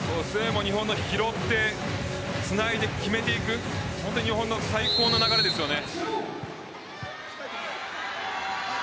日本の拾って、つないで決めていく日本の最高の流れですよね。